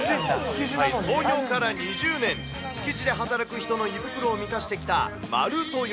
創業から２０年、築地で働く人の胃袋を満たしてきた丸豊。